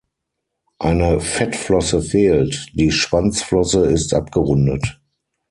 Eine Fettflosse fehlt, die Schwanzflosse ist abgerundet.